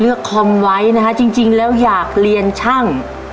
เลือกคอมธุรกิจค่ะจริงแล้วอยากเรียนช่าง